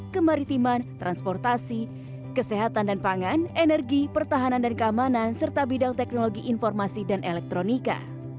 kemaritiman transportasi kesehatan dan pangan energi pertahanan dan keamanan serta bidang teknologi informasi dan elektronika